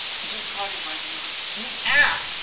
The duke caught him by the arm. "You ass!